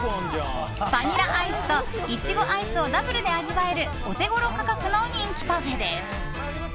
バニラアイスとイチゴアイスをダブルで味わえるオテゴロ価格の人気パフェです。